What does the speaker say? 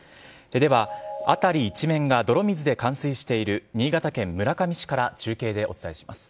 では、辺り一面が泥水で冠水している新潟県村上市から中継でお伝えします。